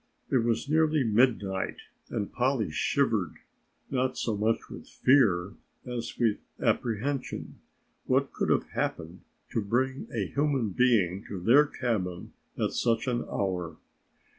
It was nearly midnight and Polly shivered, not so much with fear as with apprehension. What could have happened to bring a human being to their cabin at such an hour?